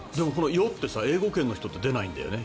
「よ」って英語圏の人って出ないんだよね。